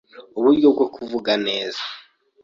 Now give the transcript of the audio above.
Uburyo bwo kuvuga neza